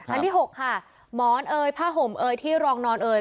อันที่๖ค่ะหมอนเอ่ยผ้าห่มเอยที่รองนอนเอ่ย